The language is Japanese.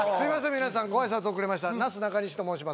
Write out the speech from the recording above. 皆さんご挨拶遅れましたなすなかにしと申します